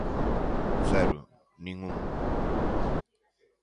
Cero, nin un.